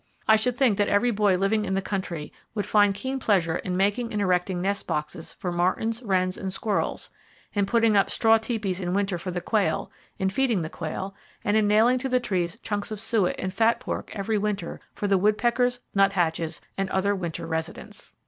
I should think [Page 323] that every boy living in the country would find keen pleasure in making and erecting nest boxes for martins, wrens, and squirrels; in putting up straw teepees in winter for the quail, in feeding the quail, and in nailing to the trees chunks of suet and fat pork every winter for the woodpeckers, nuthatches, and other winter residents.